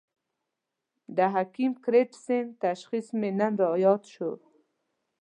د حکیم کرت سېنګ تشخیص مې نن را ياد شو.